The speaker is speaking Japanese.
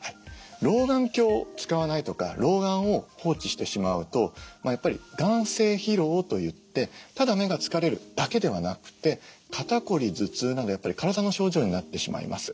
老眼鏡を使わないとか老眼を放置してしまうとやっぱり眼精疲労といってただ目が疲れるだけではなくて肩こり頭痛などやっぱり体の症状になってしまいます。